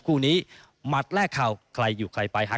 คู่นี้หมัดแรกเข่าใครอยู่ใครไปหา